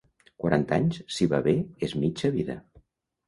Quaranta anys, si va bé, és mitja vida.